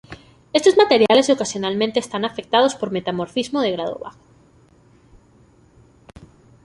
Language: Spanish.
Estos materiales ocasionalmente están afectados por metamorfismo de grado bajo.